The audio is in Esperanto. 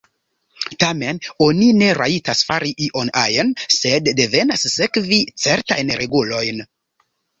Tamen oni ne rajtas fari ion ajn, sed devas sekvi certajn regulojn.